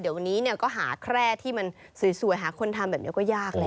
เดี๋ยววันนี้ก็หาแคร่ที่มันสวยหาคนทำแบบนี้ก็ยากแล้ว